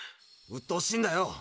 うっとうしいんだよ